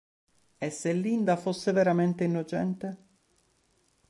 E se Linda fosse veramente innocente?